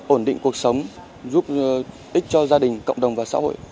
ổn định cuộc sống giúp ích cho gia đình cộng đồng và xã hội